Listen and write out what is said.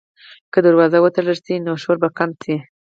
که دروازه وتړل شي، نو شور به کم شي.